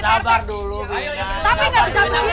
sabar dulu tapi gak bisa